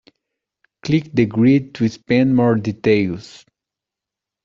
Click the grid to expand more details.